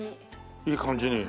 いい感じに。